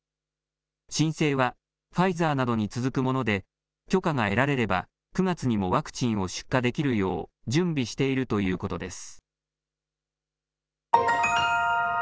申請はファイザーなどに続くもので許可が得られれば９月にもワクチンを出荷できるよう準備しているということです。